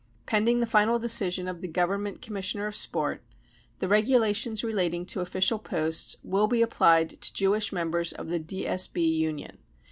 Pending the final decision of the Government Com missioner of Sport, the regulations relating to official posts will be applied to Jewish* members of the DSB Union.